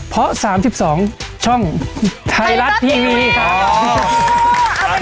เพราะ๓๒ช่องไทยรัฐทีวีครับ